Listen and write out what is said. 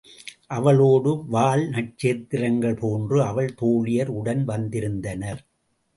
அவளோடு வால் நட்சத்திரங்கள் போன்று அவள் தோழியர் உடன் வந்திருந்தனர்.